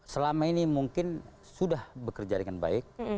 selama ini mungkin sudah bekerja dengan baik